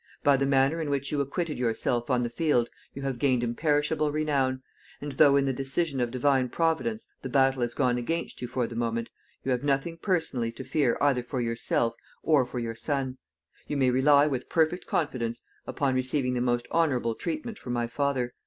By the manner in which you acquitted yourself on the field, you have gained imperishable renown; and though, in the decision of divine Providence, the battle has gone against you for the moment, you have nothing personally to fear either for yourself or for your son. You may rely with perfect confidence upon receiving the most honorable treatment from my father.